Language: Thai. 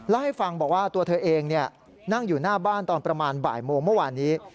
เล่าให้ฟังบอกว่าตัวเธอเองนั่งอยู่หน้าบ้านตอนประมาณบ่ายโมงเมื่อวานนี้